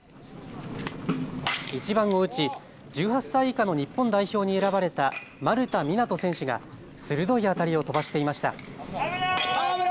１番を打ち、１８歳以下の日本代表に選ばれた丸田湊斗選手が鋭い当たりを飛ばしていました。